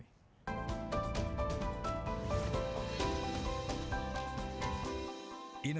di asosiasi dengan